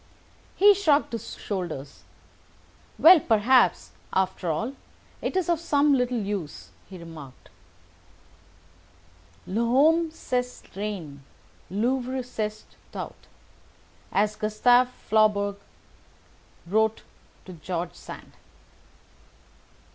He shrugged his shoulders. "Well, perhaps, after all, it is of some little use," he remarked. "'L'homme c'est rien—l'œuvre c'est tout,' as Gustave Flaubert wrote to George Sand."